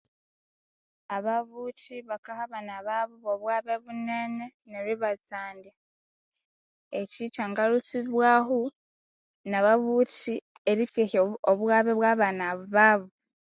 Ababuthi bakaha abana babo bobughabe bunene neryo ibatsanda eki kyangalhusibwaho nababuthi erikehya obughabe bwanababo